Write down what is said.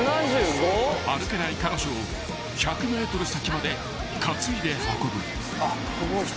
［歩けない彼女を１００ｍ先まで担いで運ぶ］よいしょ。